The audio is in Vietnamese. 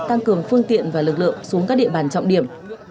tăng cường phương tiện và lực lượng xuống các địa bàn trọng điểm